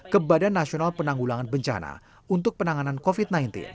kepada nasional penanggulangan bencana untuk penanganan covid sembilan belas